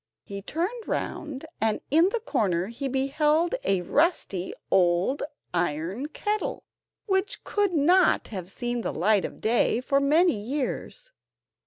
He turned round, and in the corner he beheld a rusty old iron kettle, which could not have seen the light of day for many years.